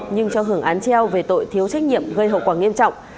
nhưng cho hưởng án treo về tội thiếu trách nhiệm gây hậu quả nghiêm trọng